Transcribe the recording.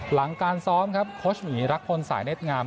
หลังการซ้อมครับโค้ชหมีรักพลสายเน็ตงาม